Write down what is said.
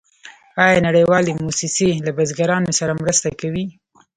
آیا نړیوالې موسسې له بزګرانو سره مرسته کوي؟